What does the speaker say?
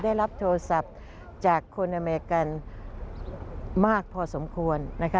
ได้รับโทรศัพท์จากคนอเมริกันมากพอสมควร